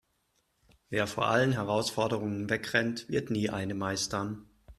Wer vor allen Herausforderungen wegrennt, wird nie eine meistern.